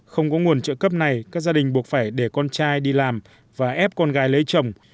không có nguồn trợ cấp này các gia đình buộc phải để con trai đi làm và ép con gái lấy chồng